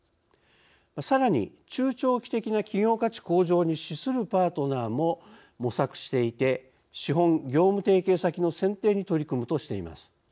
さらに「中長期的な企業価値向上に資するパートナー」も模索していて資本・業務提携先の選定に取り組むとしています。